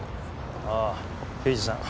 ああ刑事さん